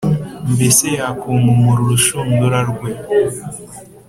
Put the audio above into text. mbese yakunkumura urushundura rwe,